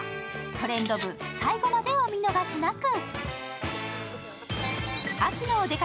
「トレンド部」、最後までお見逃しなく。